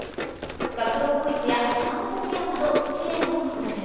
学童保育や産後ケアなど支援の拡充。